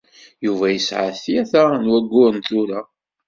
Yuba yesɛa tlata n wayyuren tura.